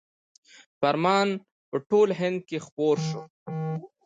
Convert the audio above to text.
فرمان په ټول هند کې خپور شو.